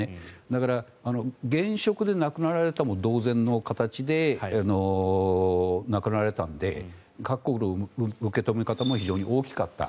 だから現職で亡くなられたも同然の形で亡くなられたので各国の受け止め方も非常に大きかった。